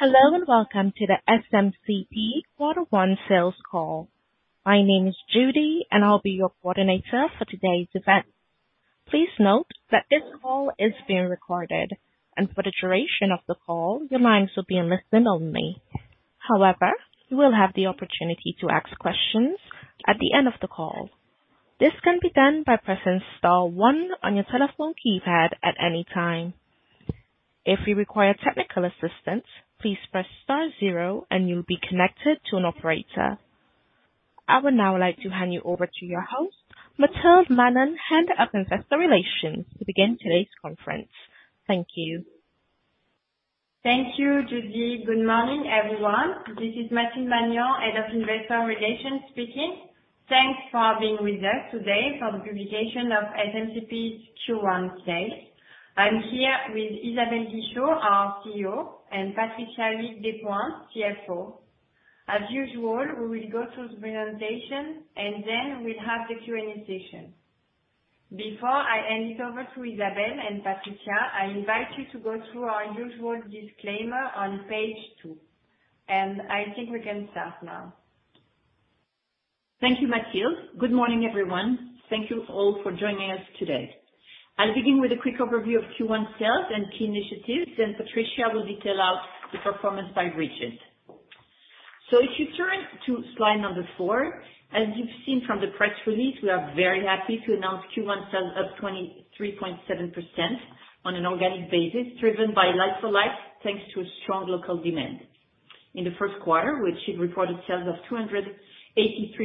Hello, and welcome to the SMCP quarter one sales call. My name is Judy, and I'll be your coordinator for today's event. Please note that this call is being recorded, and for the duration of the call, your lines will be in listen only. However, you will have the opportunity to ask questions at the end of the call. This can be done by pressing star one on your telephone keypad at any time. If you require technical assistance, please press star zero and you'll be connected to an operator. I would now like to hand you over to your host, Mathilde Magnan, Head of Investor Relations, to begin today's conference. Thank you. Thank you, Judy. Good morning, everyone. This is Mathilde Magnan, Head of Investor Relations, speaking. Thanks for being with us today for the publication of SMCP's Q1 sales. I'm here with Isabelle Guichot, our CEO, and Patricia Huyghues Despointes, CFO. As usual, we will go through the presentation, and then we'll have the Q&A session. Before I hand it over to Isabelle and Patricia, I invite you to go through our usual disclaimer on page two. I think we can start now. Thank you, Mathilde. Good morning, everyone. Thank you all for joining us today. I'll begin with a quick overview of Q1 sales and key initiatives, then Patricia will detail out the performance by region. If you turn to slide number four, as you've seen from the press release, we are very happy to announce Q1 sales up 23.7% on an organic basis, driven by Like-for-Like, thanks to a strong local demand. In the first quarter, we achieved reported sales of 283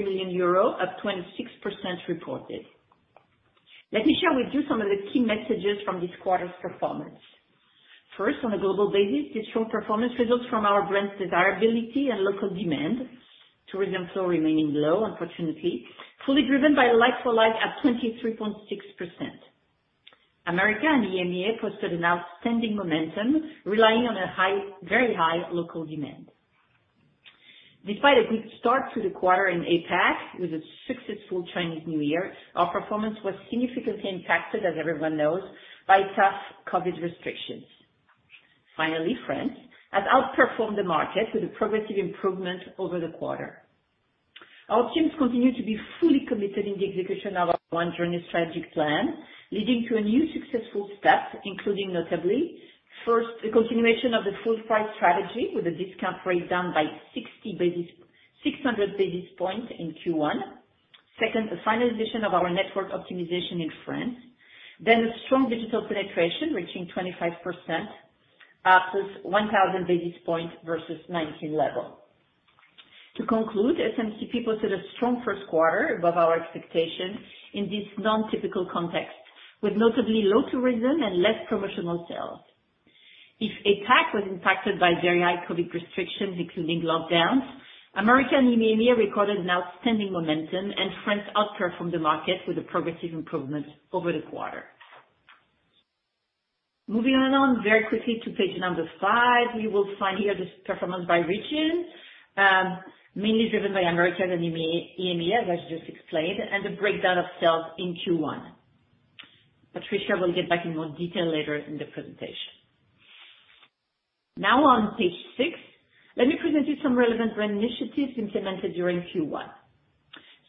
million euro, up 26% reported. Let me share with you some of the key messages from this quarter's performance. First, on a global basis, our digital performance results from our brand's desirability and local demand. Tourism flow remaining low, unfortunately, fully driven by Like-for-Like at 23.6%. Americas and EMEA posted outstanding momentum, relying on high, very high local demand. Despite a good start to the quarter in APAC, with a successful Chinese New Year, our performance was significantly impacted, as everyone knows, by tough COVID restrictions. France outperformed the market with progressive improvement over the quarter. Our teams continue to be fully committed in the execution of our One Journey strategic plan, leading to a new successful step, including notably, first, the continuation of the full price strategy with a discount rate down by 600 basis points in Q1. Second, the finalization of our network optimization in France. Then strong digital penetration reaching 25%, up 1,000 basis points versus 2019 level. SMCP posted a strong first quarter above our expectation in this non-typical context, with notably low tourism and less promotional sales. If APAC was impacted by very high COVID restrictions, including lockdowns, America and EMEA recorded an outstanding momentum, and France outperformed the market with a progressive improvement over the quarter. Moving on along very quickly to page number 5, we will find here this performance by region, mainly driven by America and EMEA, as just explained, and the breakdown of sales in Q1. Patricia will get back in more detail later in the presentation. Now on page six, let me present you some relevant brand initiatives implemented during Q1.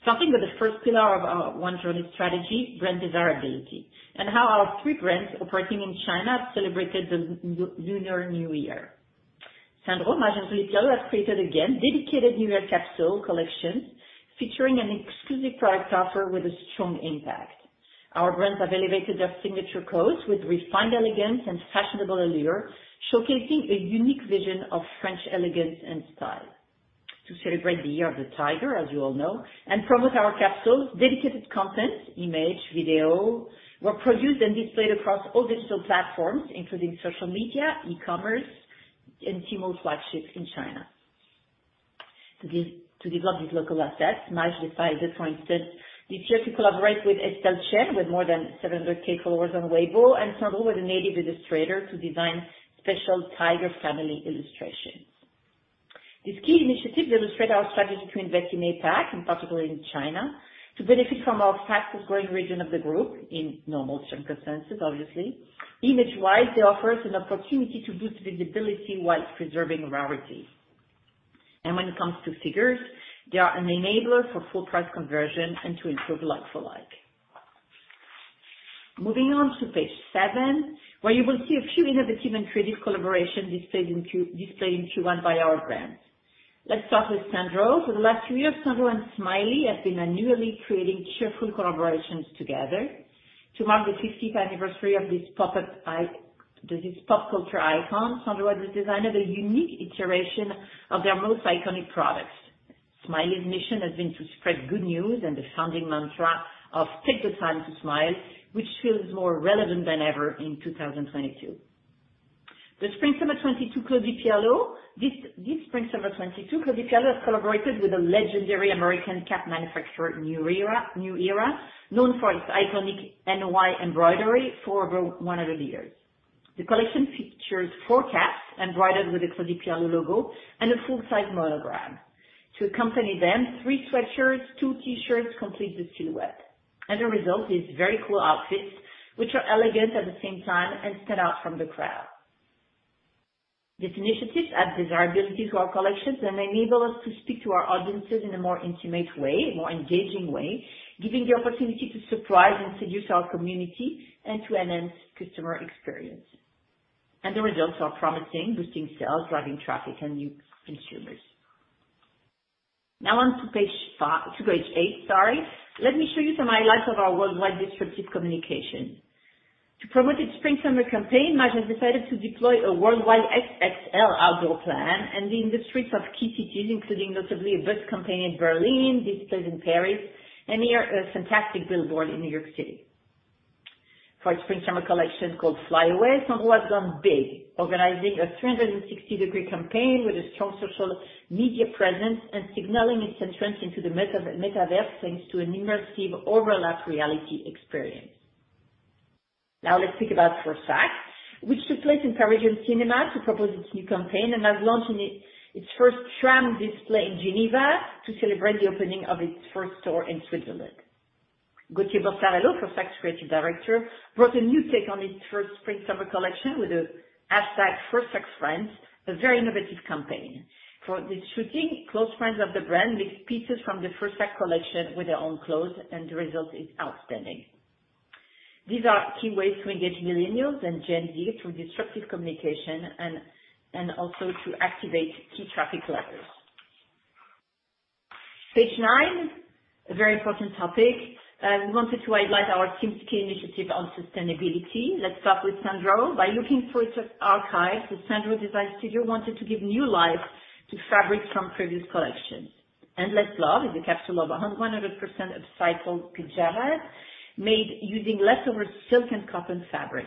Starting with the first pillar of our One Journey strategy, brand desirability, and how our three brands operating in China celebrated the Lunar New Year. Sandro, Maje, and Claudie Pierlot have created again dedicated New Year capsule collections featuring an exclusive product offer with a strong impact. Our brands have elevated their signature codes with refined elegance and fashionable allure, showcasing a unique vision of French elegance and style. To celebrate the year of the tiger, as you all know, and promote our capsules, dedicated content, image, video, were produced and displayed across all digital platforms, including social media, e-commerce, and in our flagships in China. To develop these local assets, Maje decided for instance, we chose to collaborate with Estelle Chen, with more than 700K followers on Weibo, and Sandro with a native illustrator to design special tiger family illustrations. This key initiative illustrate our strategy to invest in APAC, and particularly in China, to benefit from our fastest growing region of the group in normal circumstances, obviously. Image-wise, they offer us an opportunity to boost visibility while preserving rarity. When it comes to figures, they are an enabler for full price conversion and to improve Like-for-Like. Moving on to page seven, where you will see a few innovative and creative collaboration displayed in Q1 by our brands. Let's start with Sandro. For the last three years, Sandro and Smiley have been annually creating cheerful collaborations together. To mark the fiftieth anniversary of this pop culture icon, Sandro has designed a unique iteration of their most iconic products. Smiley's mission has been to spread good news and the founding mantra of "Take the time to smile," which feels more relevant than ever in 2022. The spring/summer 2022 Claudie Pierlot has collaborated with a legendary American cap manufacturer, New Era, known for its iconic N.Y. embroidery for over 100 years. The collection features four caps embroidered with the Claudie Pierlot logo and a full-size monogram. To accompany them, three sweatshirts, two T-shirts complete the silhouette. The result is very cool outfits, which are elegant at the same time and stand out from the crowd. These initiatives add desirability to our collections and enable us to speak to our audiences in a more intimate way, a more engaging way, giving the opportunity to surprise and seduce our community and to enhance customer experience. The results are promising, boosting sales, driving traffic and new consumers. Now on to page eight, sorry. Let me show you some highlights of our worldwide disruptive communication. To promote its spring/summer campaign, Maje has decided to deploy a worldwide XXL outdoor plan and be in the streets of key cities, including notably a bus campaign in Berlin, displays in Paris, and a fantastic billboard in New York City. For its spring/summer collection called Fly Away, Sandro has gone big, organizing a 360-degree campaign with a strong social media presence and signaling its entrance into the metaverse, thanks to an immersive augmented reality experience. Now let's speak about Fursac, which took place in Parisian cinemas to propose its new campaign and has launched in its first tram display in Geneva to celebrate the opening of its first store in Switzerland. Gauthier Borsarello, Fursac Creative Director, brought a new take on his first spring/summer collection with the hashtag Fursac Friends, a very innovative campaign. For the shooting, close friends of the brand mixed pieces from the 1st.cc collection with their own clothes, and the result is outstanding. These are key ways to engage millennials and Gen Z through disruptive communication and also to activate key traffic levels. Page nine, a very important topic, we wanted to highlight our team's key initiative on sustainability. Let's start with Sandro. By looking through its archives, the Sandro design studio wanted to give new life to fabrics from previous collections. Endless Love is a capsule of 100% upcycled pyjamas made using leftover silk and cotton fabric.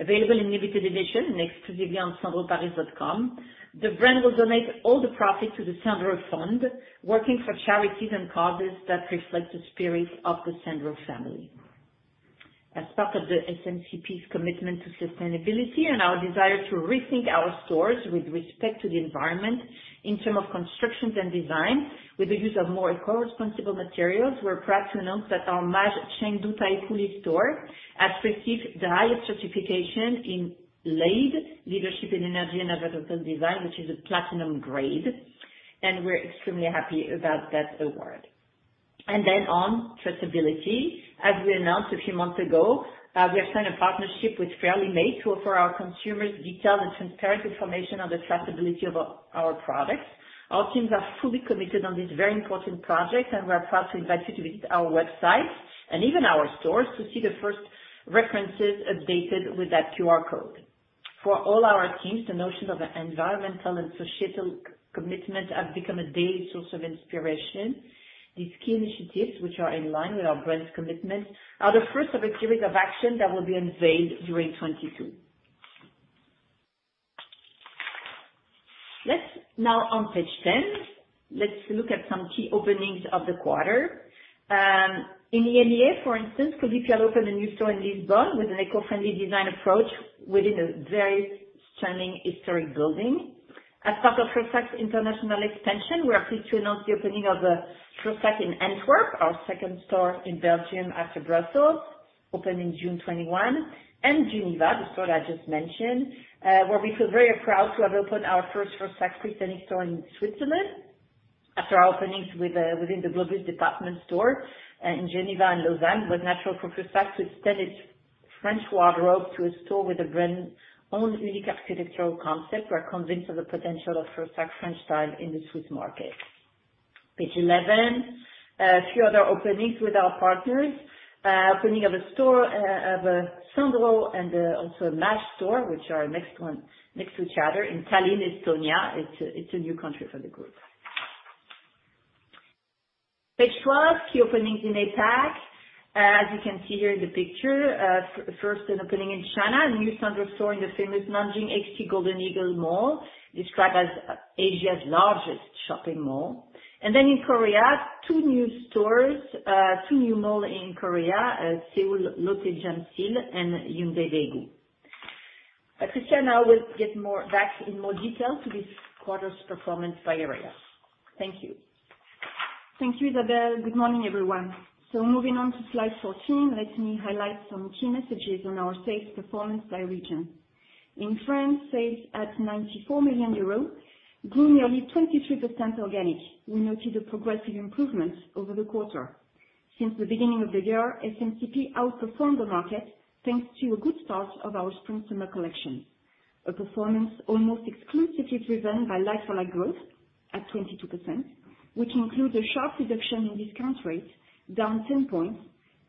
Available in limited edition and exclusively on sandroparis.com. The brand will donate all the profit to the Sandro Fund, working for charities and causes that reflect the spirit of the Sandro family. As part of the SMCP's commitment to sustainability and our desire to rethink our stores with respect to the environment in terms of constructions and design, with the use of more eco-responsible materials, we're proud to announce that our Maje Chengdu Taikoo Li store has received the highest certification in LEED, Leadership in Energy and Environmental Design, which is a platinum grade. We're extremely happy about that award. On traceability, as we announced a few months ago, we have signed a partnership with Fairly Made to offer our consumers detailed and transparent information on the traceability of our products. Our teams are fully committed on this very important project, and we are proud to invite you to visit our website and even our stores to see the first references updated with that QR code. For all our teams, the notion of an environmental and social commitment has become a daily source of inspiration. These key initiatives, which are in line with our brand's commitment, are the first of a series of action that will be unveiled during 2022. Let's now on page ten, let's look at some key openings of the quarter. In EMEA, for instance, Claudie Pierlot had opened a new store in Lisbon with an eco-friendly design approach within a very stunning historic building. As part of Claudie Pierlot international expansion, we are pleased to announce the opening of a Claudie Pierlot in Antwerp, our second store in Belgium after Brussels, opened in June 2021, and Geneva, the store that I just mentioned, where we feel very proud to have opened our first Claudie Pierlot freestanding store in Switzerland. After our openings within the Globus department store in Geneva and Lausanne, it was natural for Fursac to extend its French wardrobe to a store with a brand own unique architectural concept. We're convinced of the potential of Fursac French style in the Swiss market. Page 11, a few other openings with our partners. Opening of a store of Sandro and also Maje store, which are next to each other in Tallinn, Estonia. It's a new country for the group. Page 12, key openings in APAC. As you can see here in the picture, first an opening in China, a new Sandro store in the famous Nanjing Xinjiekou Golden Eagle Mall, described as Asia's largest shopping mall. In Korea, two new malls in Seoul Lotte Jamsil and Hyundai Daegu. Patricia will go into more detail on this quarter's performance by area. Thank you. Thank you, Isabelle. Good morning, everyone. Moving on to slide 14, let me highlight some key messages on our sales performance by region. In France, sales at 94 million euros grew nearly 23% organic. We noted a progressive improvement over the quarter. Since the beginning of the year, SMCP outperformed the market, thanks to a good start of our spring/summer collection. A performance almost exclusively driven by like-for-like growth at 22%, which includes a sharp reduction in discount rates down 10 points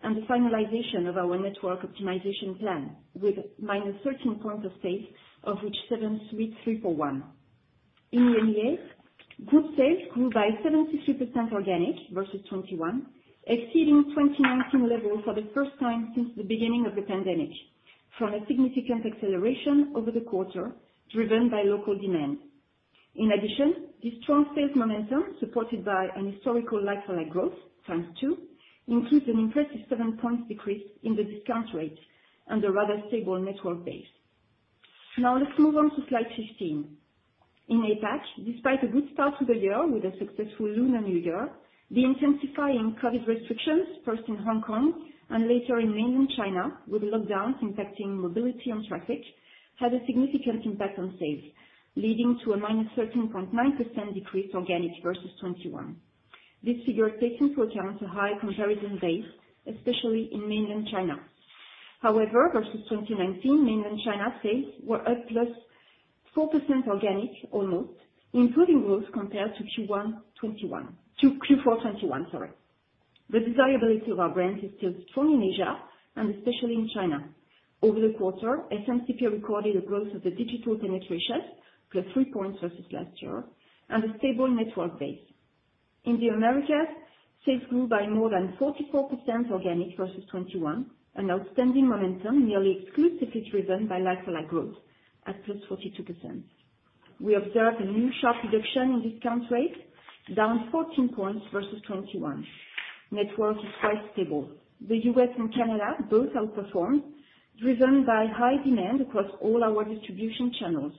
and the finalization of our network optimization plan with -13 points of sale, of which seven swap three for one. In EMEA, group sales grew by 73% organic versus 21, exceeding 2019 levels for the first time since the beginning of the pandemic, with a significant acceleration over the quarter driven by local demand. In addition, this strong sales momentum, supported by an historical like-for-like growth, 2x, includes an impressive seven-point decrease in the discount rate and a rather stable network base. Now let's move on to slide 15. In APAC, despite a good start to the year with a successful Lunar New Year, the intensifying COVID restrictions, first in Hong Kong and later in mainland China with lockdowns impacting mobility and traffic, had a significant impact on sales, leading to a minus 13.9% decrease organic versus 2021. This figure takes into account a high comparison base, especially in mainland China. However, versus 2019, mainland China sales were at plus 4% organic or more, including growth compared to Q1 2021. Q4 2021, sorry. The desirability of our brands is still strong in Asia and especially in China. Over the quarter, SMCP recorded a growth of the digital penetration, +3 points versus last year, and a stable network base. In the Americas, sales grew by more than 44% organic versus 2021, an outstanding momentum nearly exclusively driven by Like-for-Like growth at +42%. We observed a new sharp reduction in discount rates, down 14 points versus 2021. Network is quite stable. The U.S. and Canada both outperformed, driven by high demand across all our distribution channels.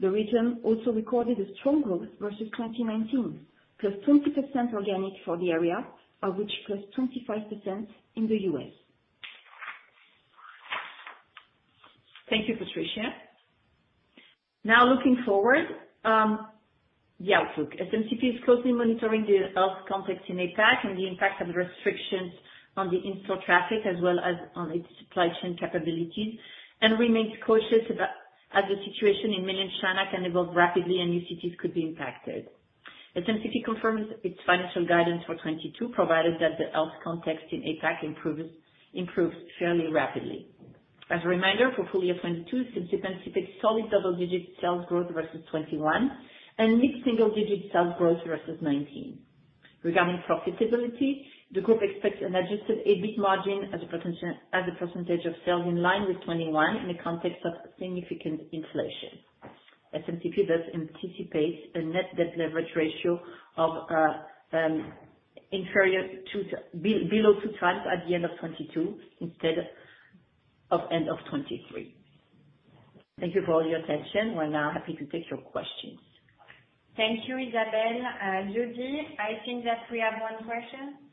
The region also recorded a strong growth versus 2019, +20% organic for the area, of which +25% in the U.S. Thank you, Patricia. Now looking forward, the outlook. SMCP is closely monitoring the health context in APAC and the impact of the restrictions on the in-store traffic, as well as on its supply chain capabilities, and remains cautious as the situation in mainland China can evolve rapidly and new cities could be impacted. SMCP confirms its financial guidance for 2022, provided that the health context in APAC improves fairly rapidly. As a reminder, for full year 2022, SMCP anticipates solid double-digit sales growth versus 2021 and mid-single digit sales growth versus 2019. Regarding profitability, the group expects an adjusted EBIT margin as a percentage of sales in line with 2021 in the context of significant inflation. SMCP thus anticipates a net debt leverage ratio inferior to below 2x at the end of 2022, instead of end of 2023. Thank you for all your attention. We're now happy to take your questions. Thank you, Isabelle. Judy, I think that we have one question.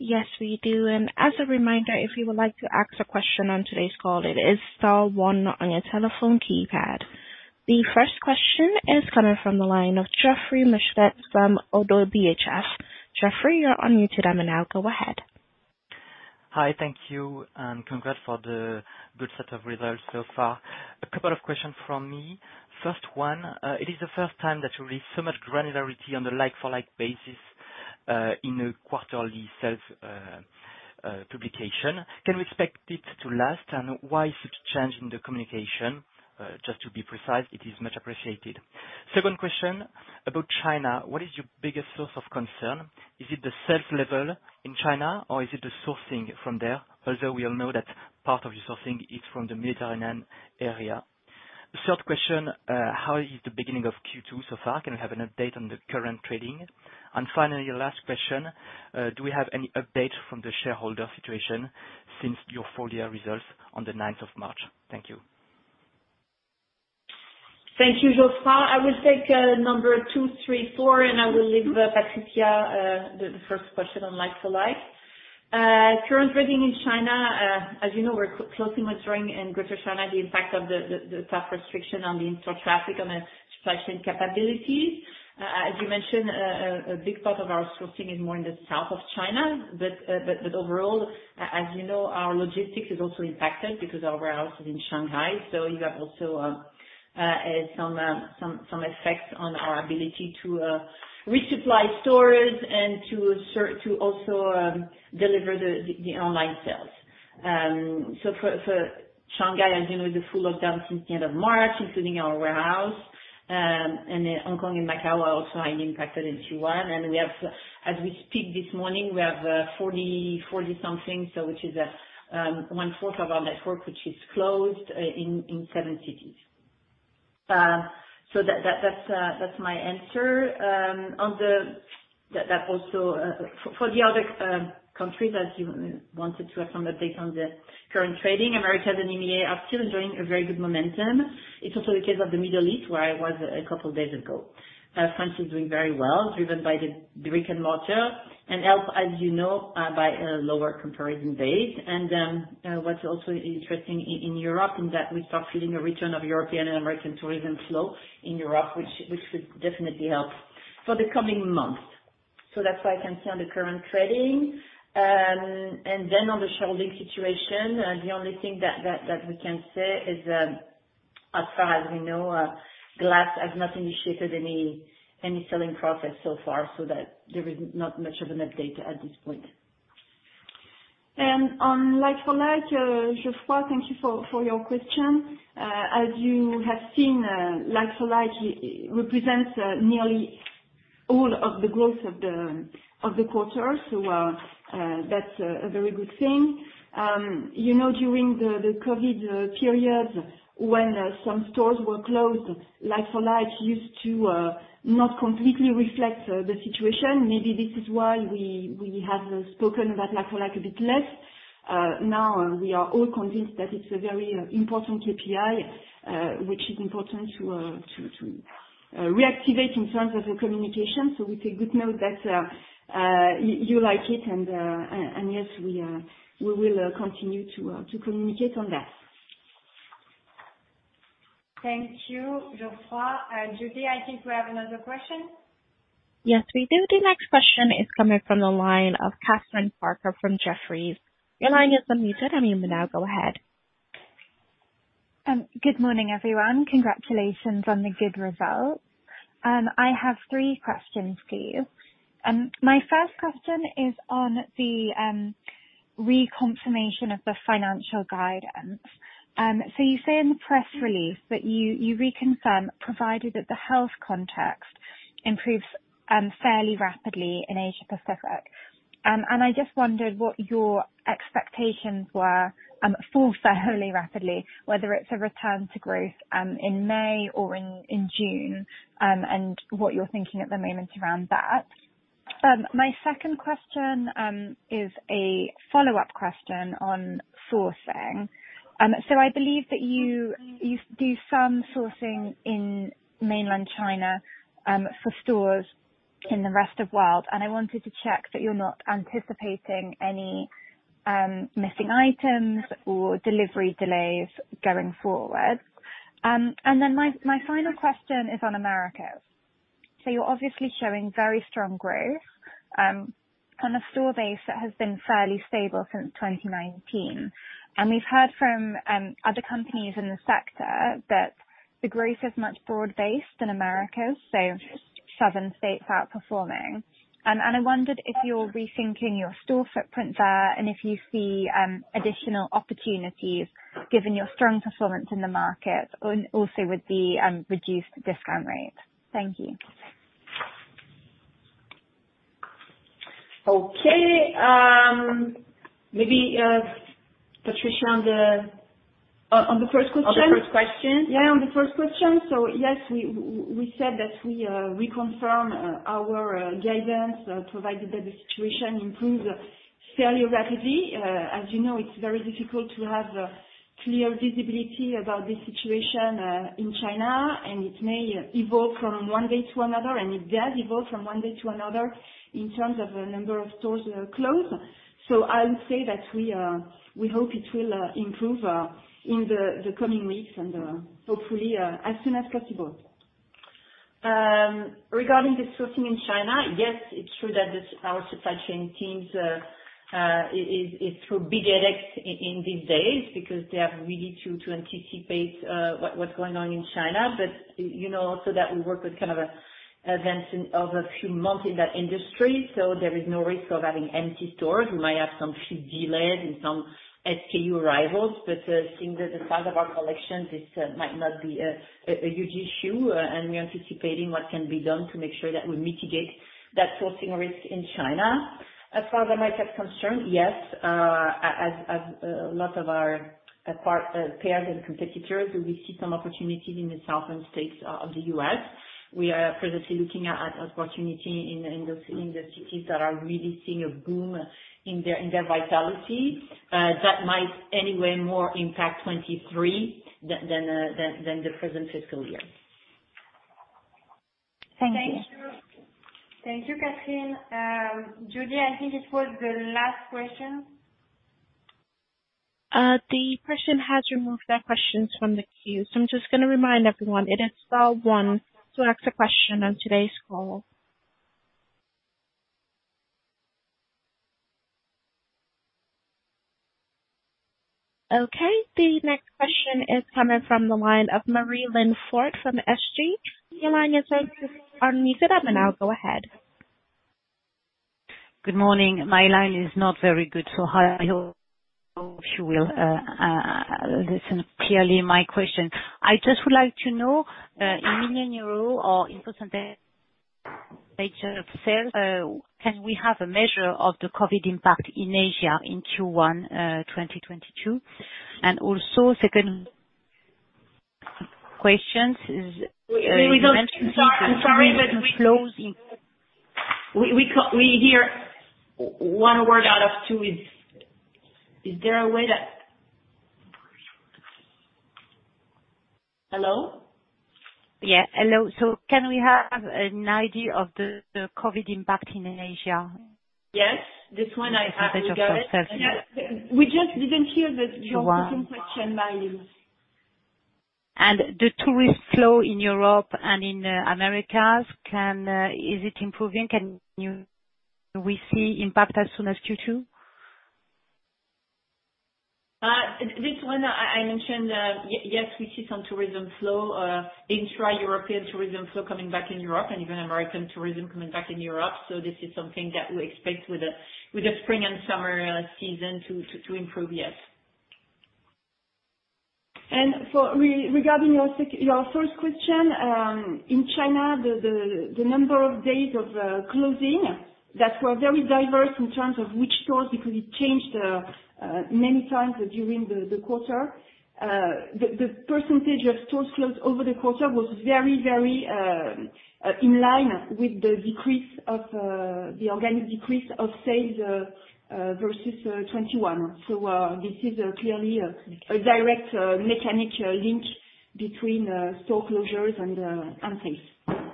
Yes, we do, and as a reminder, if you would like to ask a question on today's call, it is star one on your telephone keypad. The first question is coming from the line of Geoffroy Michalet from ODDO BHF. Geoffrey, you're unmuted and now go ahead. Hi. Thank you, and congrats for the good set of results so far. A couple of questions from me. First one, it is the first time that you read so much granularity on the Like-for-Like basis, in a quarterly sales publication. Can we expect it to last, and why such change in the communication? Just to be precise, it is much appreciated. Second question, about China, what is your biggest source of concern? Is it the sales level in China, or is it the sourcing from there? Although we all know that part of your sourcing is from the Mediterranean area. The third question, how is the beginning of Q2 so far? Can we have an update on the current trading? Finally, last question, do we have any update from the shareholder situation since your full year results on the ninth of March? Thank you. Thank you, Geoffroy. I will take number two, three, four, and I will leave to Patricia the first question on like-for-like. Current trading in China, as you know, we're closely monitoring in Greater China the impact of the tough restriction on the in-store traffic on our supply chain capabilities. As you mentioned, a big part of our sourcing is more in the south of China, but overall, as you know, our logistics is also impacted because our warehouse is in Shanghai. You have also some effects on our ability to resupply stores and to also deliver the online sales. For Shanghai, as you know, there is a full lockdown since the end of March, including our warehouse. Hong Kong and Macau are also highly impacted in Q1, and as we speak, this morning, we have 40-something, so which is one-fourth of our network which is closed in seven cities. That's my answer. That also, for the other countries, as you wanted to have some update on the current trading, Americas and EMEA are still enjoying a very good momentum. It's also the case of the Middle East, where I was a couple of days ago. France is doing very well, driven by the brick-and-mortar, and helped, as you know, by a lower comparison base. What's also interesting in Europe, in that we start feeling a return of European and American tourism flow in Europe, which should definitely help for the coming months. That's what I can say on the current trading. On the shareholder situation, the only thing that we can say is, as far as we know, GLAS has not initiated any selling process so far, so that there is not much of an update at this point. On Like-for-Like, Geoffroy, thank you for your question. As you have seen, Like-for-Like represents nearly all of the growth of the quarter. That's a very good thing. You know, during the COVID period when some stores were closed, Like-for-Like used to not completely reflect the situation. Maybe this is why we have spoken about Like-for-Like a bit less. Now we are all convinced that it's a very important KPI, which is important to reactivate in terms of the communication. It's a good note that you like it and yes, we will continue to communicate on that. Thank you, Geoffroy. Judy, I think we have another question. Yes, we do. The next question is coming from the line of Kathryn Parker from Jefferies. Your line is unmuted. You may now go ahead. Good morning, everyone. Congratulations on the good results. I have three questions for you. My first question is on the reconfirmation of the financial guidance. You say in the press release that you reconfirm, provided that the health context improves fairly rapidly in Asia Pacific. I just wondered what your expectations were for fairly rapidly, whether it's a return to growth in May or in June, and what you're thinking at the moment around that. My second question is a follow-up question on sourcing. I believe that you do some sourcing in mainland China for stores in the rest of world, and I wanted to check that you're not anticipating any missing items or delivery delays going forward. My final question is on Americas. You're obviously showing very strong growth on a store base that has been fairly stable since 2019. We've heard from other companies in the sector that the growth is much broader-based in Americas, so southern states outperforming. I wondered if you're rethinking your store footprint there, and if you see additional opportunities given your strong performance in the market and also with the reduced discount rates. Thank you. Okay. Maybe, Patricia, on the On the first question? On the first question. Yeah, on the first question. Yes, we said that we reconfirm our guidance provided that the situation improves fairly rapidly. As you know, it's very difficult to have clear visibility about the situation in China, and it may evolve from one day to another, and it does evolve from one day to another in terms of the number of stores that are closed. I would say that we hope it will improve in the coming weeks and hopefully as soon as possible. Regarding the sourcing in China, yes, it's true that our supply chain teams are going through big headaches in these days because they really have to anticipate what's going on in China. You know also that we work with kind of a advance of a few months in that industry, so there is no risk of having empty stores. We might have some few delays and some SKU arrivals, but seeing that the size of our collections, this might not be a huge issue, and we are anticipating what can be done to make sure that we mitigate that sourcing risk in China. As far as Americas is concerned, yes, as a lot of our partners and peers and competitors, we see some opportunities in the southern states of the U.S. We are presently looking at opportunity in those cities that are really seeing a boom in their vitality. That might anyway more impact 2023 than the present fiscal year. Thank you. Thank you. Thank you, Kathryn. Judy, I think this was the last question. The person has removed their questions from the queue. I'm just gonna remind everyone, it is star one to ask a question on today's call. Okay. The next question is coming from the line of Marie-Line Fort from SG. Your line is unmuted. Now go ahead. Good morning. My line is not very good, so I hope she will listen clearly my question. I just would like to know, in million euro or in percentage of sales, can we have a measure of the COVID impact in Asia in Q1 2022? Second question is, I'm sorry that we. -closing- We hear one word out of two. Is there a way that? Hello? Yeah. Hello. Can we have an idea of the COVID impact in Asia? Yes. This one I have. We got it. Percentage of sales. Yeah. We just didn't hear your second question, Marie. The tourist flow in Europe and in Americas, is it improving? Can we see impact as soon as Q2? This one I mentioned. Yes, we see some tourism flow, intra-European tourism flow coming back in Europe and even American tourism coming back in Europe. This is something that we expect with the spring and summer season to improve, yes. Regarding your first question, in China, the number of days of closing that were very diverse in terms of which stores, because it changed many times during the quarter. The percentage of stores closed over the quarter was very in line with the decrease of the organic decrease of sales versus 2021. This is clearly a direct mechanical link between store closures and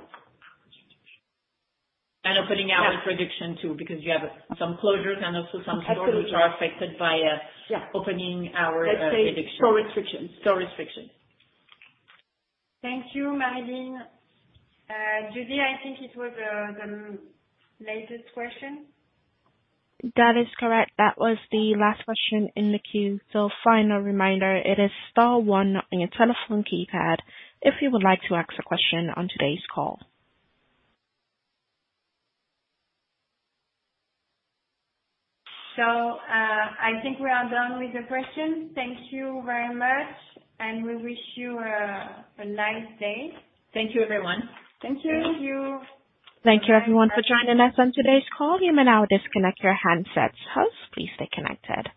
sales. Opening our presentation too, because you have some closures and also some stores. Absolutely. Which are affected by. Yeah. Opening our prediction. Let's say store restrictions. Store restrictions. Thank you, Marie-Line. Judy, I think it was the latest question. That is correct. That was the last question in the queue. Final reminder, it is star one on your telephone keypad if you would like to ask a question on today's call. I think we are done with the questions. Thank you very much, and we wish you a nice day. Thank you, everyone. Thank you. Thank you. Thank you, everyone, for joining us on today's call. You may now disconnect your handsets. Hosts, please stay connected.